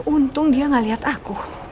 untung dia gak liat aku